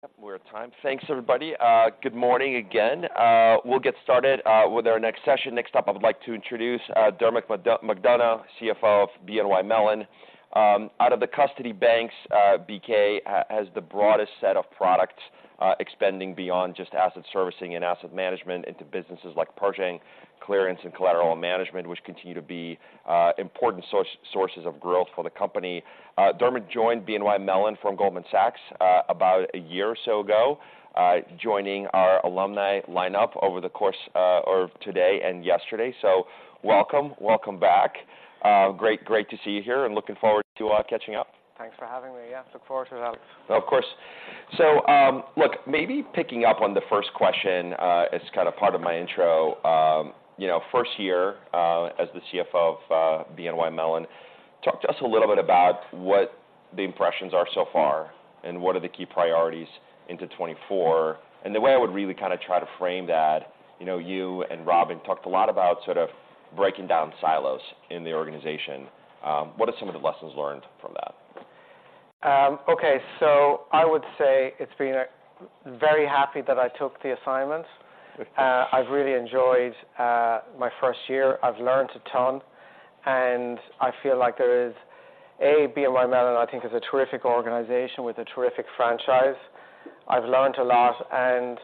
Yes, we're at time. Thanks, everybody. Good morning again. We'll get started with our next session. Next up, I would like to introduce Dermot McDonogh, CFO of BNY Mellon. Out of the custody banks, BK has the broadest set of products, expanding beyond just Asset Servicing and Asset Management into businesses like Pershing, Clearance and Collateral Management, which continue to be important sources of growth for the company. Dermot joined BNY Mellon from Goldman Sachs about a year or so ago, joining our alumni lineup over the course of today and yesterday. So welcome. Welcome back. Great, great to see you here, and looking forward to catching up. Thanks for having me. Yeah, look forward to that. Of course. So, look, maybe picking up on the first question, as kind of part of my intro. You know, first year as the CFO of BNY Mellon, talk to us a little bit about what the impressions are so far, and what are the key priorities into 2024. And the way I would really kind of try to frame that, you know, you and Robin talked a lot about sort of breaking down silos in the organization. What are some of the lessons learned from that? Okay. So I would say it's been very happy that I took the assignment. I've really enjoyed my first year. I've learned a ton, and I feel like there is a BNY Mellon, I think, is a terrific organization with a terrific franchise. I've learned a lot, and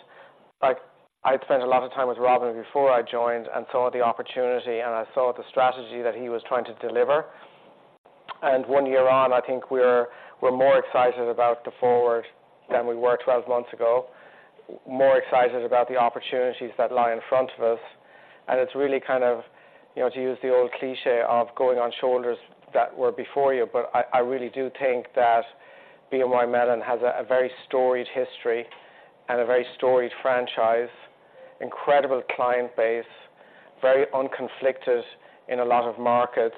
like, I'd spent a lot of time with Robin before I joined, and saw the opportunity, and I saw the strategy that he was trying to deliver. And one year on, I think we're more excited about the forward than we were 12 months ago. More excited about the opportunities that lie in front of us, and it's really kind of, you know, to use the old cliché of going on shoulders that were before you. But I really do think that BNY Mellon has a very storied history and a very storied franchise, incredible client base, very unconflicted in a lot of markets,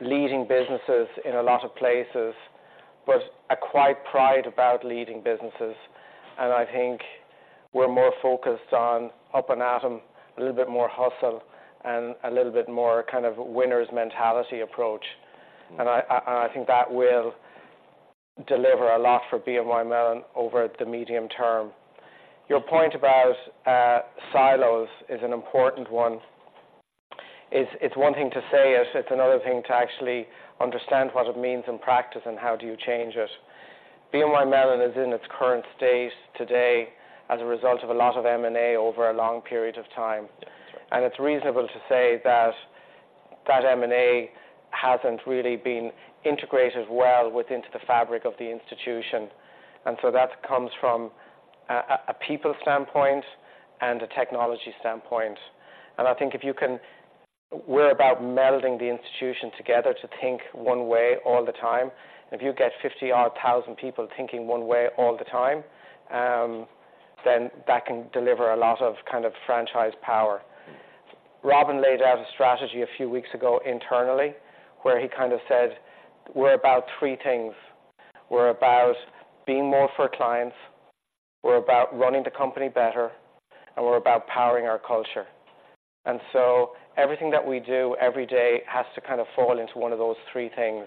leading businesses in a lot of places, but a quiet pride about leading businesses. And I think we're more focused on up and at them, a little bit more hustle, and a little bit more kind of winners mentality approach. And I think that will deliver a lot for BNY Mellon over the medium term. Your point about silos is an important one. It's one thing to say it, it's another thing to actually understand what it means in practice, and how do you change it. BNY Mellon is in its current state today as a result of a lot of M&A over a long period of time. It's reasonable to say that M&A hasn't really been integrated well into the fabric of the institution, and so that comes from a people standpoint and a technology standpoint. I think if you can, we're about melding the institution together to think one way all the time, and if you get 50, or 1,000 people thinking one way all the time, then that can deliver a lot of kind of franchise power. Robin laid out a strategy a few weeks ago internally, where he kind of said, "We're about three things. We're about being more for clients, we're about running the company better, and we're about powering our culture." So everything that we do every day has to kind of fall into one of those three things,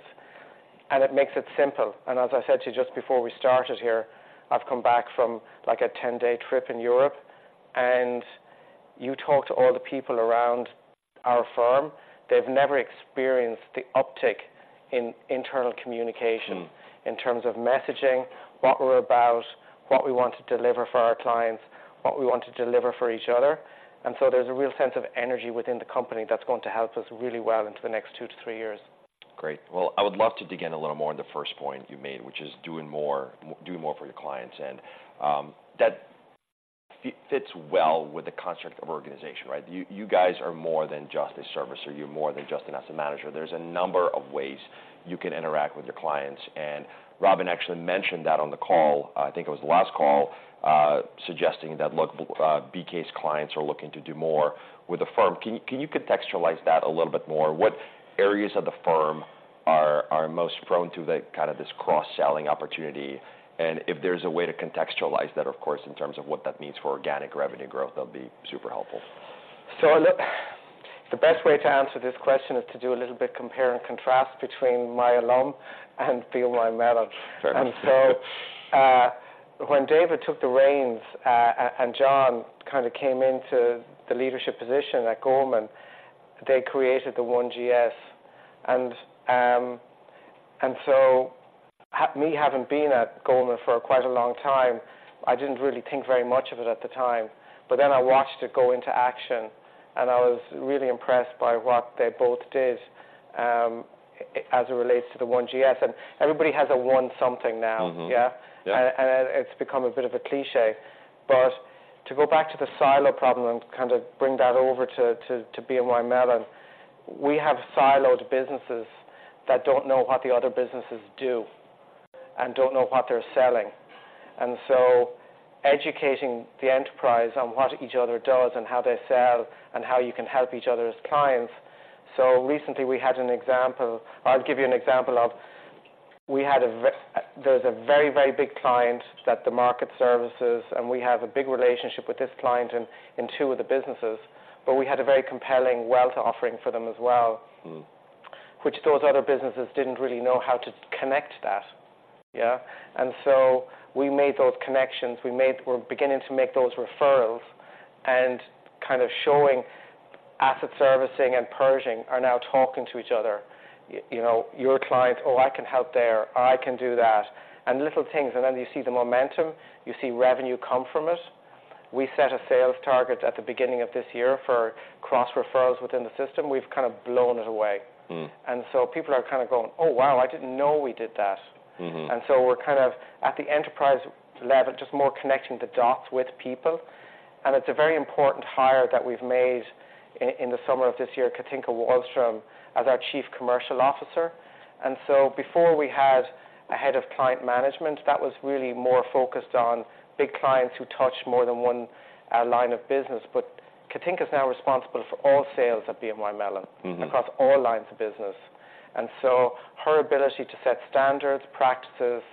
and it makes it simple. As I said to you just before we started here, I've come back from, like, a 10-day trip in Europe, and you talk to all the people around our firm, they've never experienced the uptick in internal communication. Mm-hmm... in terms of messaging, what we're about, what we want to deliver for our clients, what we want to deliver for each other. And so there's a real sense of energy within the company that's going to help us really well into the next two to three years. Great. Well, I would love to dig in a little more on the first point you made, which is doing more, doing more for your clients. And that fits well with the construct of organization, right? You, you guys are more than just a servicer. You're more than just an asset manager. There's a number of ways you can interact with your clients, and Robin actually mentioned that on the call, I think it was the last call, suggesting that: Look, BK's clients are looking to do more with the firm. Can you contextualize that a little bit more? What areas of the firm are most prone to the kind of this cross-selling opportunity? And if there's a way to contextualize that, of course, in terms of what that means for organic revenue growth, that'll be super helpful. Look, the best way to answer this question is to do a little bit compare and contrast between my alum and BNY Mellon. Fair. And so, when David took the reins, and John kind of came into the leadership position at Goldman, they created the One GS. And, and so having been at Goldman for quite a long time, I didn't really think very much of it at the time, but then I watched it go into action, and I was really impressed by what they both did, as it relates to the One GS. And everybody has a one something now. Mm-hmm. Yeah. Yeah. It's become a bit of a cliché. But to go back to the silo problem and kind of bring that over to BNY Mellon, we have siloed businesses that don't know what the other businesses do and don't know what they're selling. So educating the enterprise on what each other does and how they sell, and how you can help each other's clients. So recently we had an example. I'll give you an example of. There's a very, very big client that the market services, and we have a big relationship with this client in two of the businesses, but we had a very compelling wealth offering for them as well. Mm-hmm. ...which those other businesses didn't really know how to connect that, yeah? And so we made those connections. We're beginning to make those referrals and kind of showing Asset Servicing and Pershing are now talking to each other. You know, your client, "Oh, I can help there, or I can do that," and little things, and then you see the momentum, you see revenue come from it. We set a sales target at the beginning of this year for cross-referrals within the system. We've kind of blown it away. Mm. And so people are kind of going: Oh, wow, I didn't know we did that. Mm-hmm. And so we're kind of at the enterprise level, just more connecting the dots with people. And it's a very important hire that we've made in the summer of this year, Cathinka Wahlstrom, as our Chief Commercial Officer. And so before we had a head of client management, that was really more focused on big clients who touch more than one line of business. But Cathinka is now responsible for all sales at BNY Mellon- Mm-hmm across all lines of business. And so her ability to set standards, practices,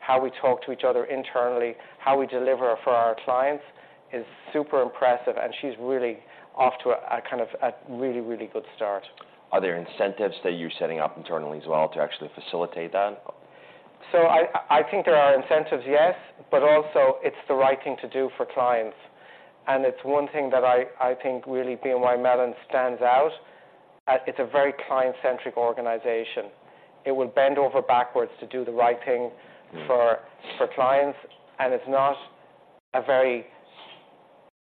how we talk to each other internally, how we deliver for our clients, is super impressive, and she's really off to a kind of really, really good start. Are there incentives that you're setting up internally as well to actually facilitate that? So I think there are incentives, yes, but also it's the right thing to do for clients. And it's one thing that I think really BNY Mellon stands out. It's a very client-centric organization. It will bend over backwards to do the right thing. Mm for clients, and it's not a very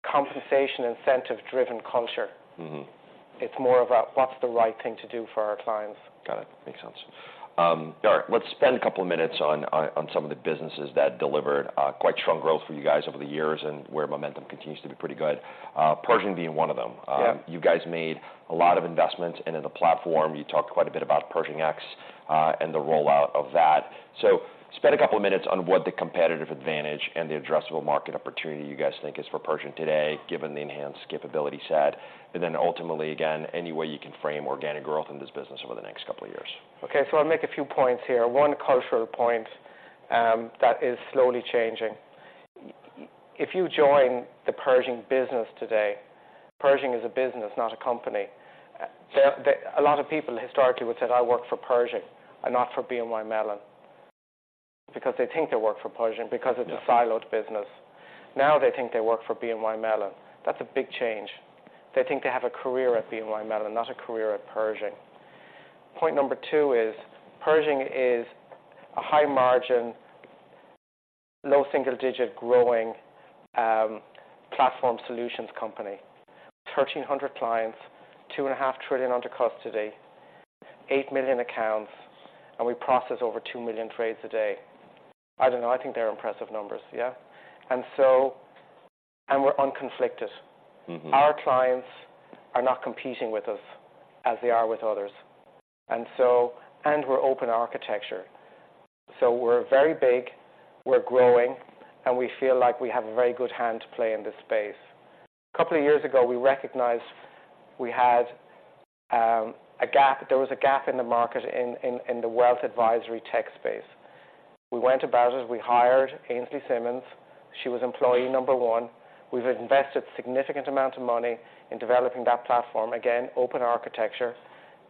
compensation, incentive-driven culture. Mm-hmm. It's more about what's the right thing to do for our clients. Got it. Makes sense. All right, let's spend a couple of minutes on some of the businesses that delivered quite strong growth for you guys over the years, and where momentum continues to be pretty good, Pershing being one of them. Yeah. You guys made a lot of investments into the platform. You talked quite a bit about Pershing X, and the rollout of that. Spend a couple of minutes on what the competitive advantage and the addressable market opportunity you guys think is for Pershing today, given the enhanced capability set, and then ultimately, again, any way you can frame organic growth in this business over the next couple of years. Okay, so I'll make a few points here. One, cultural point, that is slowly changing. If you join the Pershing business today, Pershing is a business, not a company. A lot of people historically would say, "I work for Pershing and not for BNY Mellon," because they think they work for Pershing, because- Yeah It's a siloed business. Now, they think they work for BNY Mellon. That's a big change. They think they have a career at BNY Mellon, not a career at Pershing. Point number two is, Pershing is a high margin, low single digit growing, platform solutions company, 1,300 clients, $2.5 trillion under custody, 8 million accounts, and we process over 2 million trades a day. I don't know, I think they're impressive numbers. Yeah? And so... And we're unconflicted. Mm-hmm. Our clients are not competing with us as they are with others. And so we're open architecture, so we're very big, we're growing, and we feel like we have a very good hand to play in this space. A couple of years ago, we recognized we had a gap. There was a gap in the market in the wealth advisory tech space. We went about it, we hired Ainslie Simmonds. She was employee number one. We've invested significant amount of money in developing that platform. Again, open architecture,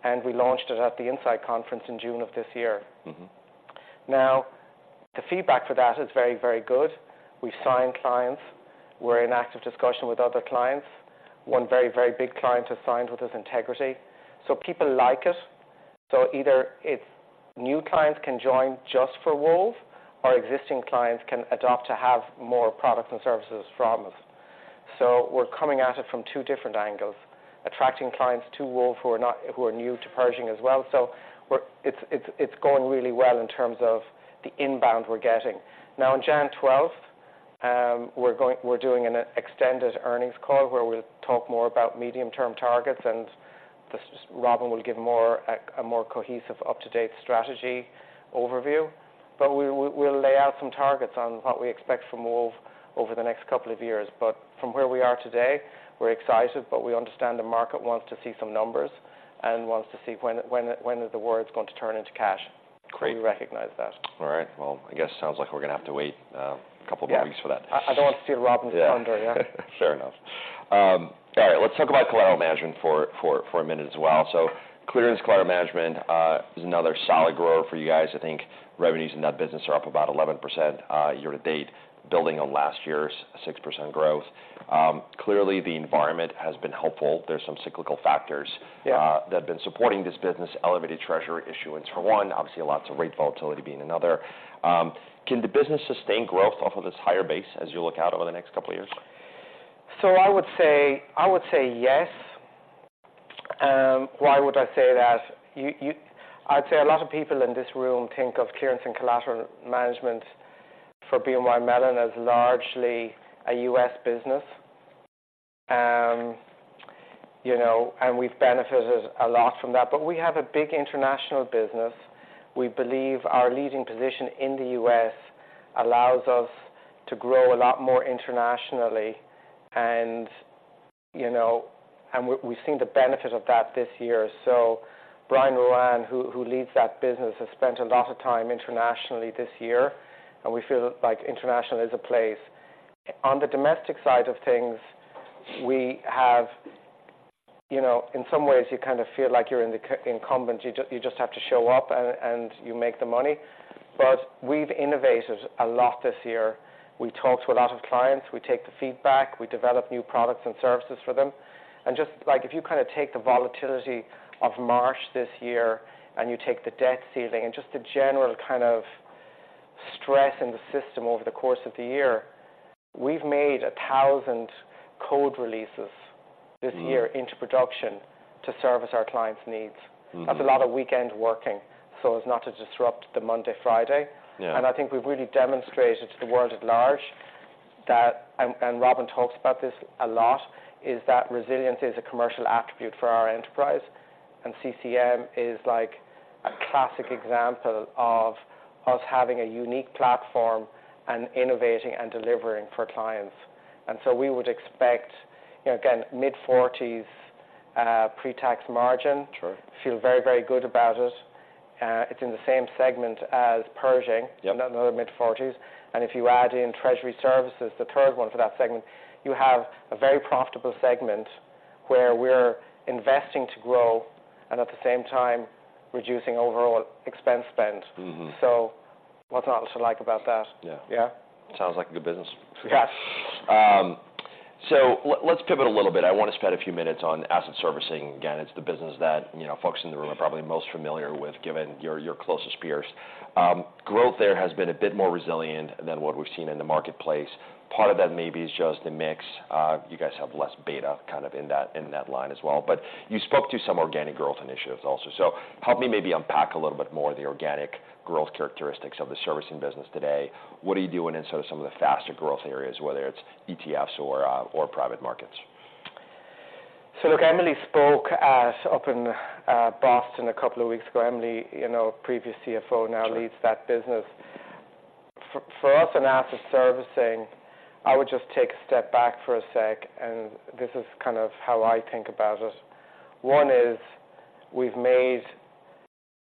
and we launched it at the INSITE Conference in June of this year. Mm-hmm. Now, the feedback for that is very, very good. We've signed clients. We're in active discussion with other clients. One very, very big client has signed with us, Integrity. So people like us. So either it's new clients can join just for Wove or existing clients can adopt to have more products and services from us. So we're coming at it from two different angles, attracting clients to Wove who are new to Pershing as well. So it's going really well in terms of the inbound we're getting. Now, on January 12, we're doing an extended earnings call, where we'll talk more about medium-term targets, and Robin will give a more cohesive, up-to-date strategy overview. But we'll lay out some targets on what we expect from Wove over the next couple of years. But from where we are today, we're excited, but we understand the market wants to see some numbers and wants to see when the word's going to turn into cash. Great. We recognize that. All right. Well, I guess it sounds like we're going to have to wait, a couple more weeks for that. Yeah. I don't want to see Robin thunder, yeah. Fair enough. All right, let's talk about collateral management for a minute as well. So clearance collateral management is another solid grower for you guys. I think revenues in that business are up about 11%, year to date, building on last year's 6% growth. Clearly, the environment has been helpful. There's some cyclical factors- Yeah... that have been supporting this business, elevated treasury issuance for one, obviously, lots of rate volatility being another. Can the business sustain growth off of this higher base as you look out over the next couple of years? So I would say, I would say yes. Why would I say that? I'd say a lot of people in this room think of Clearance and Collateral Management for BNY Mellon as largely a U.S. business. You know, and we've benefited a lot from that. But we have a big international business. We believe our leading position in the U.S. allows us to grow a lot more internationally, and, you know, and we've seen the benefit of that this year. So Brian Ruane, who leads that business, has spent a lot of time internationally this year, and we feel like international is a place. On the domestic side of things, we have, you know, in some ways you kind of feel like you're in the incumbent. You just have to show up and you make the money. But we've innovated a lot this year. We talk to a lot of clients, we take the feedback, we develop new products and services for them. And just like, if you kind of take the volatility of March this year, and you take the debt ceiling, and just the general kind of stress in the system over the course of the year, we've made 1,000 code releases- Mm-hmm. this year into production to service our clients' needs. Mm-hmm. That's a lot of weekend working, so as not to disrupt the Monday to Friday. Yeah. And I think we've really demonstrated to the world at large, that... and Robin talks about this a lot, is that resilience is a commercial attribute for our enterprise, and CCM is like a classic example of us having a unique platform and innovating and delivering for clients. And so we would expect, you know, again, mid-40s pre-tax margin. Sure. Feel very, very good about it. It's in the same segment as Pershing- Yeah Another mid-40s. And if you add in Treasury Services, the third one for that segment, you have a very profitable segment, where we're investing to grow, and at the same time, reducing overall expense spend. Mm-hmm. What's not to like about that? Yeah. Yeah. Sounds like a good business. Yeah. So let's pivot a little bit. I want to spend a few minutes on Asset Servicing. Again, it's the business that, you know, folks in the room are probably most familiar with, given your closest peers. Growth there has been a bit more resilient than what we've seen in the marketplace. Part of that maybe is just the mix. You guys have less beta kind of in that, in that line as well. But you spoke to some organic growth initiatives also. So help me maybe unpack a little bit more the organic growth characteristics of the servicing business today. What are you doing in sort of some of the faster growth areas, whether it's ETFs or private markets? So look, Emily spoke at, up in, Boston a couple of weeks ago. Emily, you know, previous CFO, now leads that business. Sure. For us, in Asset Servicing, I would just take a step back for a sec, and this is kind of how I think about it. One is, we've made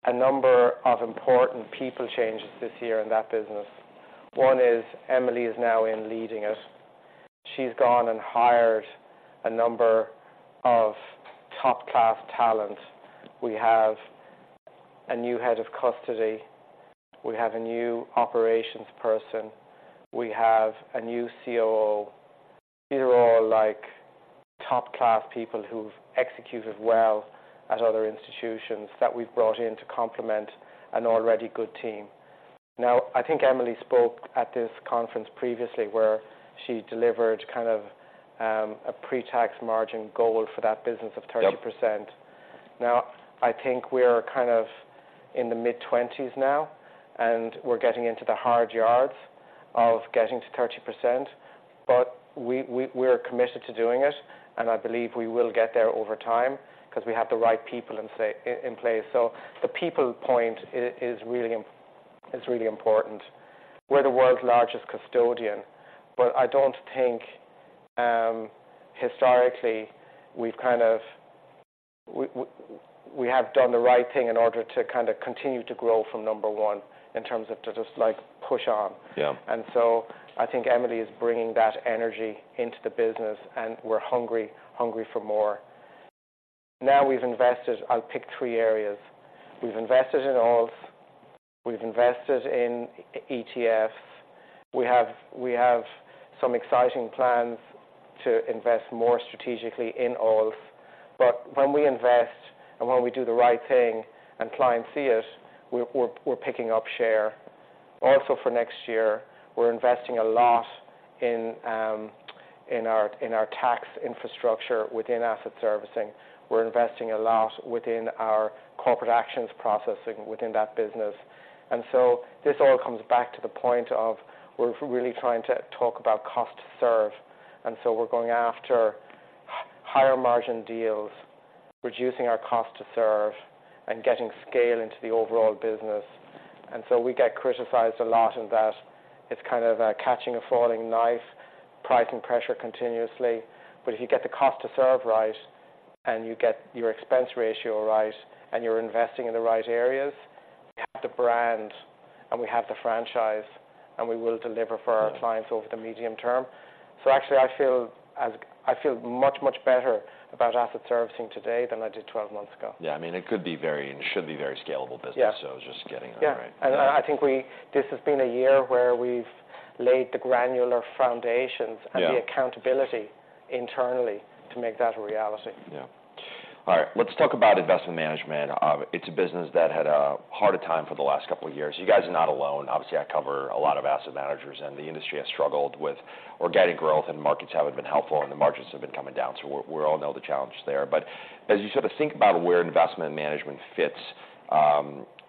a number of important people changes this year in that business. One is, Emily is now in leading it. She's gone and hired a number of top-class talent. We have a new head of custody, we have a new operations person, we have a new COO. These are all, like, top-class people who've executed well at other institutions, that we've brought in to complement an already good team. Now, I think Emily spoke at this conference previously, where she delivered kind of, a pre-tax margin goal for that business of 30%. Yep. Now, I think we're kind of in the mid-20s now, and we're getting into the hard yards of getting to 30%, but we're committed to doing it, and I believe we will get there over time, because we have the right people in place. So the people point is really important. We're the world's largest custodian, but I don't think, historically, we've kind of we have done the right thing in order to kind of continue to grow from number one, in terms of to just, like, push on. Yeah. And so I think Emily is bringing that energy into the business, and we're hungry, hungry for more. Now, we've invested... I'll pick three areas. We've invested in Alts, we've invested in ETFs. We have, we have some exciting plans to invest more strategically in Alts. But when we invest, and when we do the right thing and clients see it, we're, we're, we're picking up share. Also, for next year, we're investing a lot in, in our, in our tax infrastructure within Asset Servicing. We're investing a lot within our corporate actions processing within that business. And so this all comes back to the point of we're really trying to talk about cost to serve, and so we're going after higher margin deals, reducing our cost to serve, and getting scale into the overall business. And so we get criticized a lot, in that it's kind of, catching a falling knife, pricing pressure continuously. But if you get the cost to serve right, and you get your expense ratio right, and you're investing in the right areas, we have the brand, and we have the franchise, and we will deliver for our clients- Yeah over the medium term. So actually, I feel much, much better about Asset Servicing today than I did 12 months ago. Yeah. I mean, it could be very, and it should be very scalable business. Yeah. I was just getting that right. Yeah. And I think this has been a year where we've laid the granular foundations. Yeah and the accountability internally to make that a reality. Yeah. All right, let's talk about Investment Management. It's a business that had a harder time for the last couple of years. You guys are not alone. Obviously, I cover a lot of asset managers, and the industry has struggled with organic growth, and markets haven't been helpful, and the margins have been coming down, so we all know the challenge there. But as you sort of think about where Investment Management fits,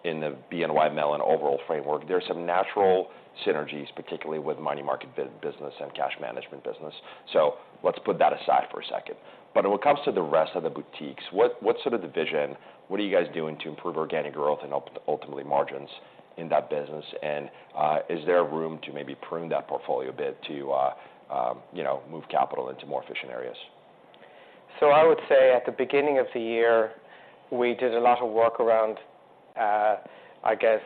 in the BNY Mellon overall framework, there are some natural synergies, particularly with money market business and cash management business. So let's put that aside for a second. But when it comes to the rest of the boutiques, what's sort of the vision? What are you guys doing to improve organic growth and ultimately, margins in that business? Is there room to maybe prune that portfolio a bit, to you know, move capital into more efficient areas?... So I would say at the beginning of the year, we did a lot of work around, I guess,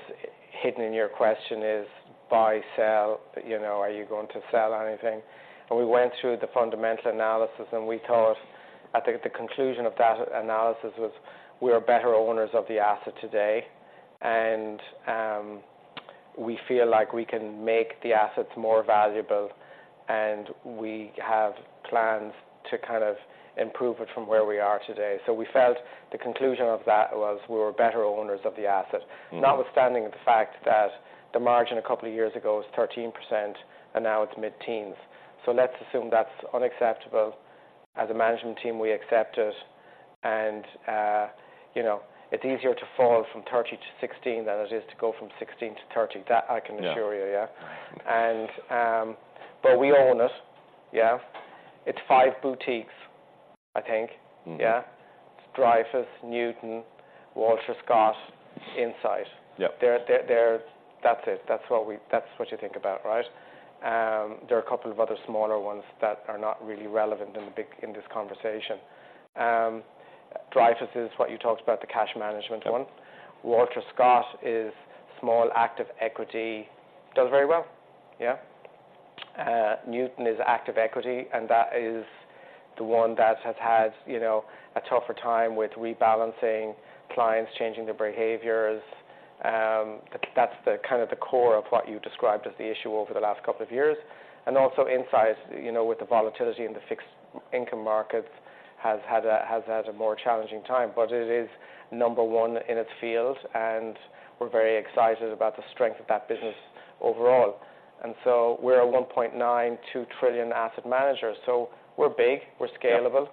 hidden in your question is buy, sell, you know, are you going to sell anything? And we went through the fundamental analysis, and we thought, I think the conclusion of that analysis was, we are better owners of the asset today. And we feel like we can make the assets more valuable, and we have plans to kind of improve it from where we are today. So we felt the conclusion of that was we were better owners of the asset. Mm-hmm. Notwithstanding the fact that the margin a couple of years ago was 13%, and now it's mid-teens. Let's assume that's unacceptable. As a management team, we accept it. You know, it's easier to fall from 30%-16% than it is to go from 16%-30%. That I can- Yeah... assure you, yeah? And, but we own it. Yeah. It's five boutiques, I think. Mm-hmm. Yeah. It's Dreyfus, Newton, Walter Scott, Insight. Yep. They're-- That's it. That's what you think about, right? There are a couple of other smaller ones that are not really relevant in this conversation. Dreyfus is what you talked about, the cash management one. Mm-hmm. Walter Scott is small, active equity. Does very well, yeah. Newton is active equity, and that is the one that has had, you know, a tougher time with rebalancing clients, changing their behaviors. That's the kind of the core of what you described as the issue over the last couple of years. And also, Insight, you know, with the volatility in the fixed income markets, has had a, has had a more challenging time, but it is number one in its field, and we're very excited about the strength of that business overall. And so we're a $1.92 trillion asset manager, so we're big, we're scalable.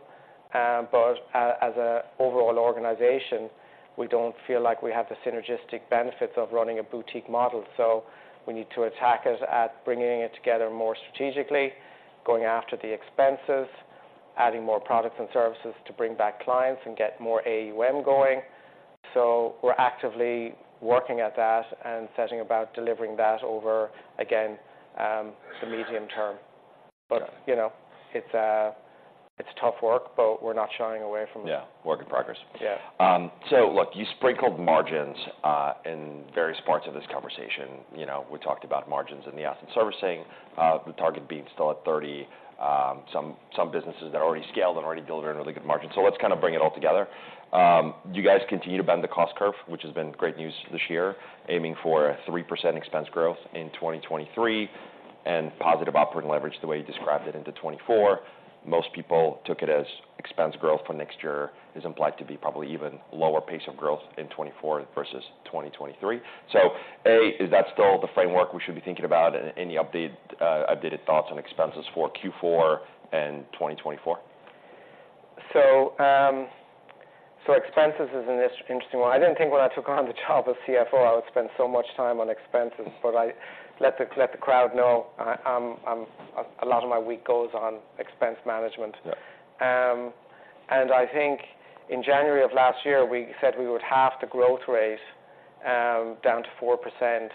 Yeah. But as an overall organization, we don't feel like we have the synergistic benefits of running a boutique model. So we need to attack it at bringing it together more strategically, going after the expenses, adding more products and services to bring back clients and get more AUM going. So we're actively working at that and setting about delivering that over, again, the medium term. Yeah. But, you know, it's tough work, but we're not shying away from it. Yeah. Work in progress. Yeah. So look, you sprinkled margins in various parts of this conversation. You know, we talked about margins in the Asset Servicing, the target being still at 30%. Some businesses that are already scaled and already delivering really good margins. So let's kind of bring it all together. You guys continue to bend the cost curve, which has been great news this year, aiming for a 3% expense growth in 2023, and positive operating leverage, the way you described it, into 2024. Most people took it as expense growth for next year is implied to be probably even lower pace of growth in 2024 versus 2023. So, A, is that still the framework we should be thinking about, and any update, updated thoughts on expenses for Q4 and 2024? So, expenses is an interesting one. I didn't think when I took on the job as CFO, I would spend so much time on expenses, but I let the crowd know, a lot of my week goes on expense management. Yeah. I think in January of last year, we said we would halve the growth rate down to 4%.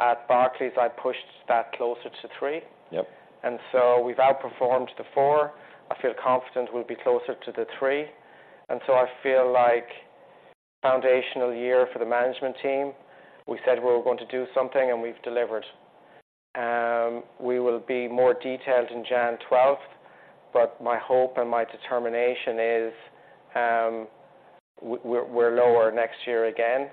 At Barclays, I pushed that closer to 3%. Yep. And so we've outperformed the four. I feel confident we'll be closer to the three, and so I feel like foundational year for the management team, we said we were going to do something, and we've delivered. We will be more detailed in January 12th, but my hope and my determination is, we're lower next year again.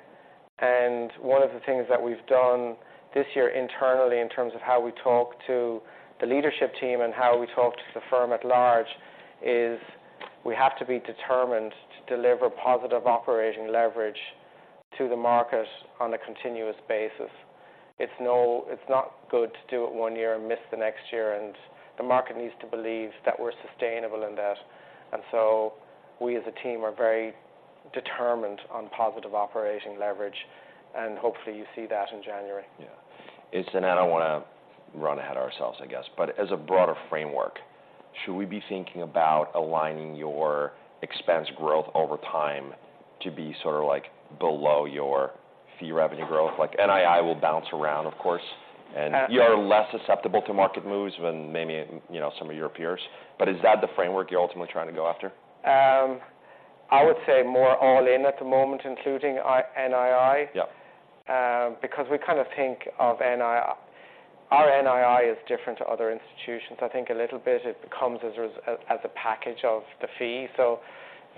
One of the things that we've done this year internally, in terms of how we talk to the leadership team and how we talk to the firm at large, is we have to be determined to deliver positive operating leverage to the market on a continuous basis. It's not good to do it one year and miss the next year, and the market needs to believe that we're sustainable in that. We as a team are very determined on positive operating leverage, and hopefully, you see that in January. Yeah. And so now I don't want to run ahead ourselves, I guess, but as a broader framework, should we be thinking about aligning your expense growth over time to be sort of like below your fee revenue growth? Like, NII will bounce around, of course, and- Uh. You are less susceptible to market moves than maybe, you know, some of your peers. But is that the framework you're ultimately trying to go after? I would say more all in at the moment, including NII. Yep. Because we kind of think of NII. Our NII is different to other institutions. I think a little bit it comes as a package of the fee. So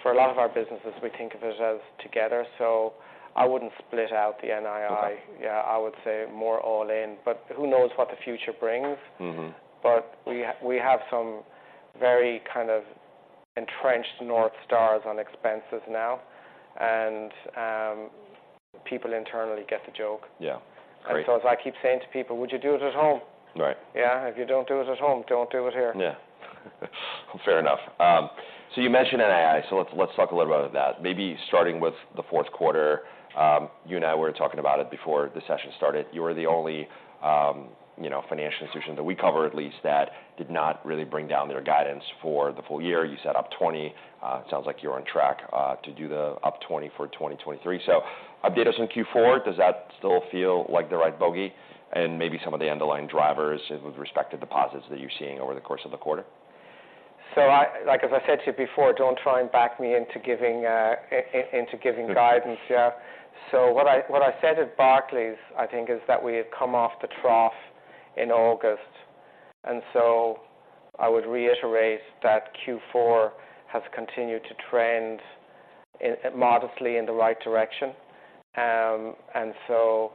for a lot of our businesses, we think of it as together, so I wouldn't split out the NII. Okay. Yeah, I would say more all in, but who knows what the future brings? Mm-hmm. But we have some very kind of entrenched North Stars- Mm... on expenses now, and people internally get the joke. Yeah. Great. And so as I keep saying to people, "Would you do it at home? Right. Yeah. If you don't do it at home, don't do it here. Yeah. Fair enough. So you mentioned NII, so let's, let's talk a little bit about that. Maybe starting with the fourth quarter. You and I were talking about it before the session started. You were the only, you know, financial institution that we cover, at least, that did not really bring down their guidance for the full year. You set up 20%. It sounds like you're on track to do the up 20% for 2023. So update us on Q4. Does that still feel like the right bogey? And maybe some of the underlying drivers with respect to deposits that you're seeing over the course of the quarter.... So I, like as I said to you before, don't try and back me into giving guidance, yeah? So what I said at Barclays, I think, is that we had come off the trough in August, and so I would reiterate that Q4 has continued to trend modestly in the right direction. And so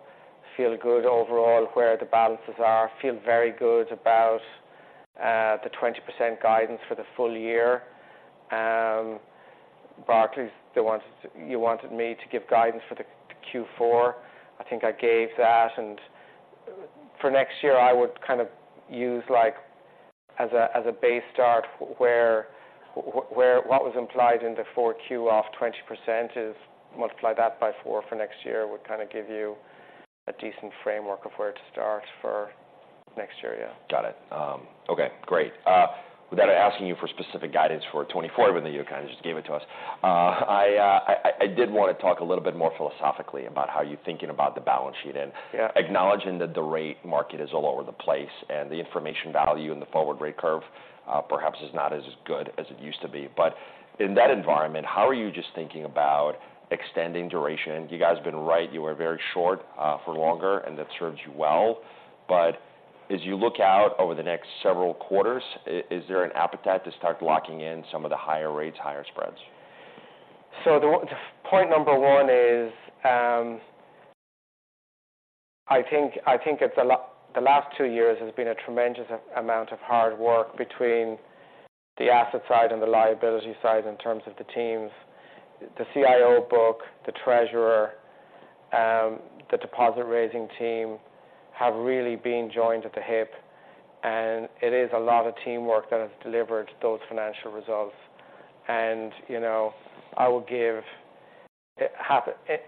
feel good overall where the balances are, feel very good about the 20% guidance for the full year. Barclays, you wanted me to give guidance for the Q4. I think I gave that. For next year, I would kind of use, like, as a base start, where what was implied in the Q4 off 20% is multiply that by 4 for next year, would kind of give you a decent framework of where to start for next year, yeah. Got it. Okay, great. Without asking you for specific guidance for 2024, but then you kind of just gave it to us. I did want to talk a little bit more philosophically about how you're thinking about the balance sheet. Yeah. Acknowledging that the rate market is all over the place, and the information value in the forward rate curve, perhaps is not as good as it used to be. But in that environment, how are you just thinking about extending duration? You guys have been right. You were very short, for longer, and that served you well. But as you look out over the next several quarters, is there an appetite to start locking in some of the higher rates, higher spreads? Point number one is, I think it's the last two years has been a tremendous amount of hard work between the asset side and the liability side in terms of the teams. The CIO book, the treasurer, the deposit raising team, have really been joined at the hip, and it is a lot of teamwork that has delivered those financial results. And, you know, I would give,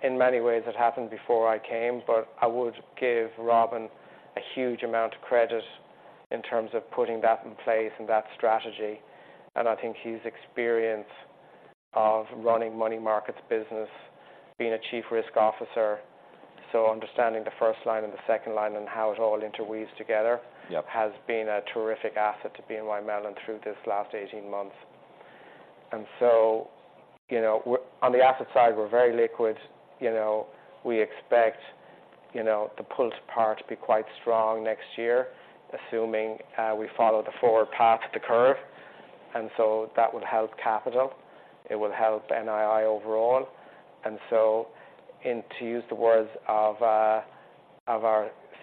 in many ways, it happened before I came, but I would give Robin a huge amount of credit in terms of putting that in place and that strategy. And I think his experience of running money markets business, being a Chief Risk Officer, so understanding the first line and the second line and how it all interweaves together. Yep. has been a terrific asset to BNY Mellon through this last 18 months. And so, you know, we're on the asset side, we're very liquid. You know, we expect, you know, the pull-to-par to be quite strong next year, assuming we follow the forward path of the curve, and so that would help capital. It will help NII overall. And so, and to use the words of our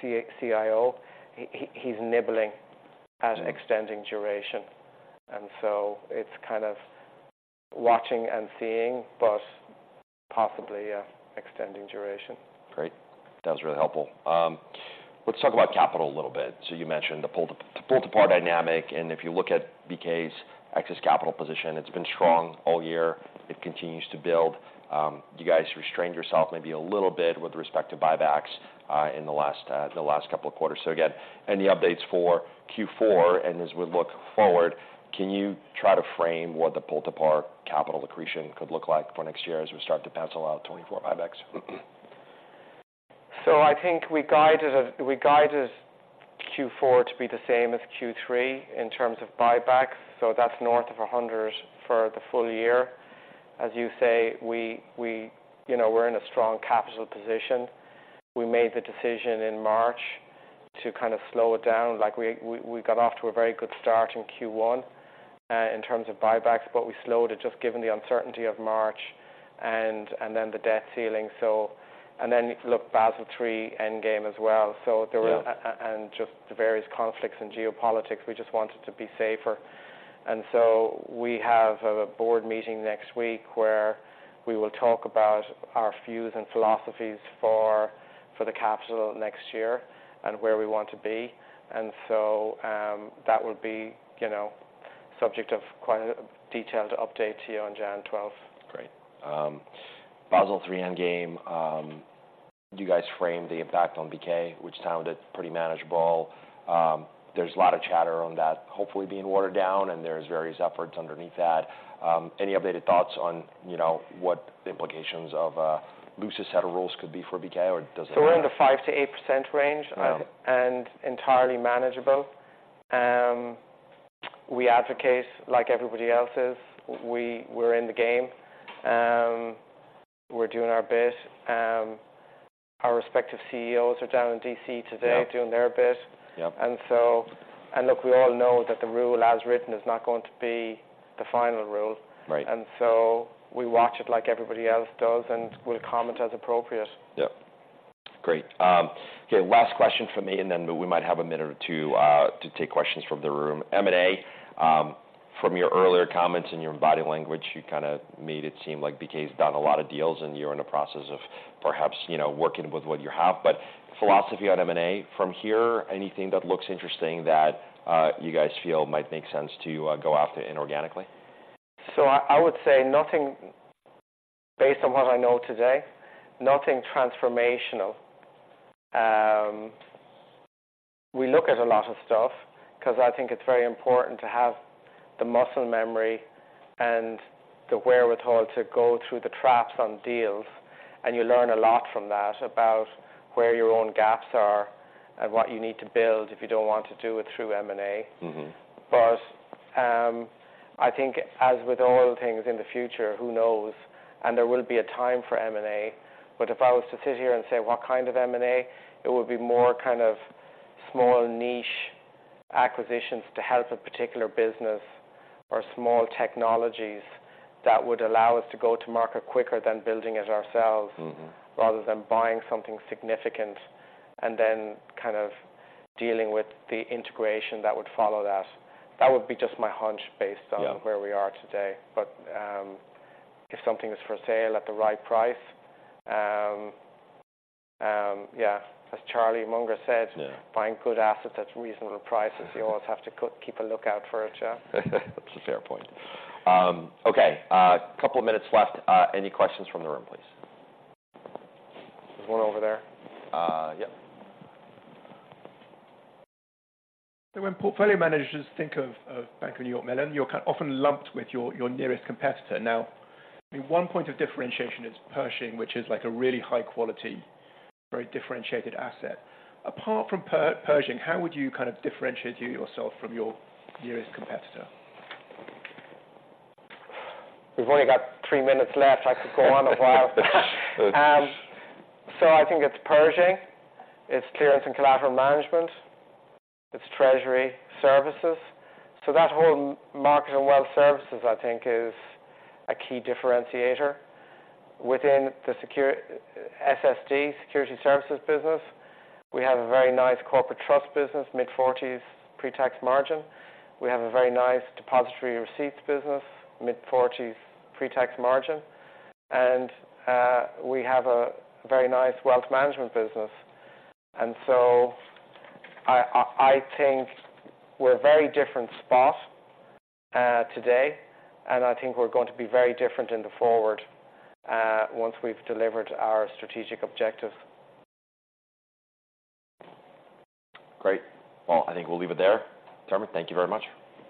CIO, he's nibbling at extending duration. And so it's kind of watching and seeing, but possibly extending duration. Great. That was really helpful. Let's talk about capital a little bit. So you mentioned the pull, the pull-to-par dynamic, and if you look at BK's excess capital position, it's been strong all year. It continues to build. You guys restrained yourself maybe a little bit with respect to buybacks in the last, the last couple of quarters. So again, any updates for Q4, and as we look forward, can you try to frame what the pull-to-par capital accretion could look like for next year as we start to pencil out 2024 buybacks? So I think we guided we guided Q4 to be the same as Q3 in terms of buybacks, so that's north of 100 for the full year. As you say, you know, we're in a strong capital position. We made the decision in March to kind of slow it down. Like, we got off to a very good start in Q1 in terms of buybacks, but we slowed it just given the uncertainty of March and then the debt ceiling. So and then, look, Basel III Endgame as well. Yeah. So there were, and just the various conflicts in geopolitics, we just wanted to be safer. And so we have a board meeting next week, where we will talk about our views and philosophies for the capital next year and where we want to be. That would be, you know, subject of quite a detailed update to you on January 12. Great. Basel III Endgame, you guys framed the impact on BK, which sounded pretty manageable. There's a lot of chatter on that, hopefully, being watered down, and there's various efforts underneath that. Any updated thoughts on, you know, what the implications of a looser set of rules could be for BK, or does it- So we're in the 5%-8% range- Uh. and entirely manageable. We advocate, like everybody else's, we're in the game. We're doing our bit. Our respective CEOs are down in D.C. today. Yep... doing their bit. Yep. And look, we all know that the rule, as written, is not going to be the final rule. Right. We watch it like everybody else does, and we'll comment as appropriate. Yep. Great. Okay, last question from me, and then we might have a minute or two to take questions from the room. M&A, from your earlier comments and your body language, you kind of made it seem like BK has done a lot of deals, and you're in the process of perhaps, you know, working with what you have. But philosophy on M&A, from here, anything that looks interesting that you guys feel might make sense to go after inorganically? So I would say nothing. Based on what I know today, nothing transformational. We look at a lot of stuff because I think it's very important to have the muscle memory and the wherewithal to go through the traps on deals, and you learn a lot from that about where your own gaps are and what you need to build if you don't want to do it through M&A. Mm-hmm. But, I think as with all things in the future, who knows? And there will be a time for M&A, but if I was to sit here and say what kind of M&A, it would be more kind of small niche acquisitions to help a particular business or small technologies that would allow us to go to market quicker than building it ourselves- Mm-hmm. rather than buying something significant and then kind of dealing with the integration that would follow that. That would be just my hunch based on- Yeah -where we are today. But, if something is for sale at the right price, yeah, as Charlie Munger said- Yeah Buy good assets at reasonable prices. You always have to keep a lookout for it," yeah. That's a fair point. Okay, a couple of minutes left. Any questions from the room, please? There's one over there. Yeah. So when portfolio managers think of Bank of New York Mellon, you're kind of often lumped with your nearest competitor. Now, I mean, one point of differentiation is Pershing, which is like a really high quality, very differentiated asset. Apart from Pershing, how would you kind of differentiate yourself from your nearest competitor? We've only got three minutes left. I could go on a while. So I think it's Pershing, it's Clearance and Collateral Management, it's Treasury Services. So that whole Market and Wealth Services, I think, is a key differentiator. Within the SSD, Securities Services business, we have a very nice Corporate Trust business, mid-40s pre-tax margin. We have a very nice Depositary Receipts business, mid-40s pre-tax margin, and we have a very nice Wealth Management business. And so I think we're a very different spot today, and I think we're going to be very different in the future, once we've delivered our strategic objective. Great. Well, I think we'll leave it there. Dermot, thank you very much.